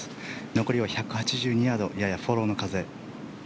残りは１８２ヤードややフォローの風。